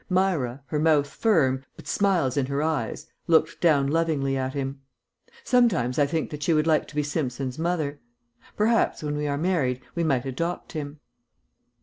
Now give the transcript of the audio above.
Myra, her mouth firm, but smiles in her eyes, looked down lovingly at him. Sometimes I think that she would like to be Simpson's mother. Perhaps, when we are married, we might adopt him.